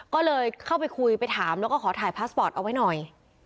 ก็เลยเข้าไปคุยไปถามแล้วก็ขอถ่ายพาสปอร์ตเอาไว้หน่อย